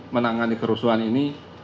menangani kerusuhan ini